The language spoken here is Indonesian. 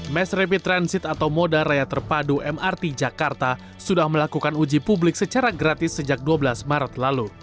mass rapid transit atau moda raya terpadu mrt jakarta sudah melakukan uji publik secara gratis sejak dua belas maret lalu